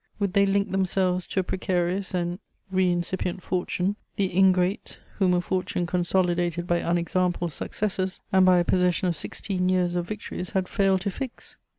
Would they link themselves to a precarious and reincipient fortune, the ingrates whom a fortune consolidated by unexampled successes and by a possession of sixteen years of victories had failed to fix?